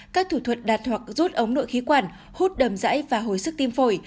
các thủ thuật đạt hoặc rút ống nội khí quản hút đầm dãy và hồi sức tim phổi